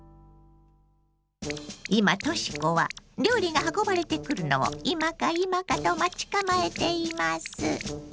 今とし子は料理が運ばれてくるのを今か今かと待ち構えています。